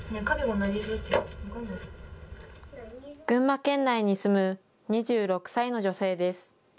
群馬県内に住む２６歳の女性です。